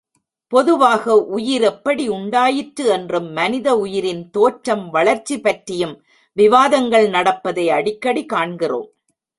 பொதுவாக உயிர் எப்படி உண்டாயிற்று என்றும், மனித உயிரின் தோற்றம், வளர்ச்சி பற்றியும் விவாதங்கள் நடப்பதை அடிக்கடி காண்கிறோம்.